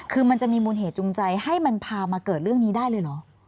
คือมันจะมีมูลเหตุจูงใจให้มันพามาเกิดเรื่องนี้ได้เลยเหรอ